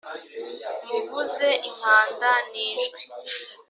muvuze impanda n ijwi